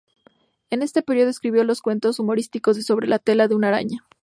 En ese período escribió los cuentos humorísticos de "Sobre la tela de una araña".